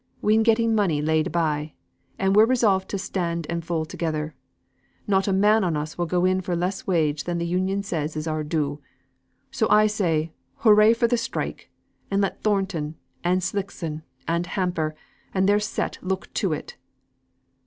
We'n getten money laid by; and we're resolved to stand and fall together; not a man on us will go in for less wage than th' Union says is our due. So I say, 'hooray for the strike,' and let Thornton, and Slickson, and Hamper, and their set look to it!"